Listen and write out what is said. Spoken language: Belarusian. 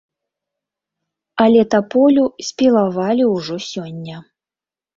Але таполю спілавалі ўжо сёння.